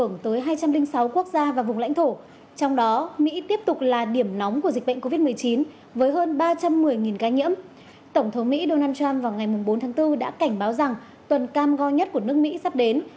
nó là lực lượng khó nhất của nước mỹ sắp đến